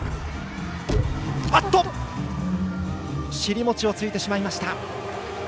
尻餅をついてしまいました。